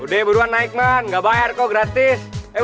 udah ya buruan naik ga bayar kok gratis